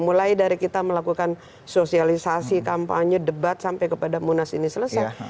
mulai dari kita melakukan sosialisasi kampanye debat sampai kepada munas ini selesai